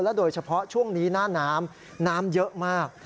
โดยเฉพาะช่วงนี้หน้าน้ำน้ำเยอะมาก